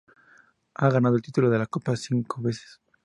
Ha ganado el título de Copa cinco veces.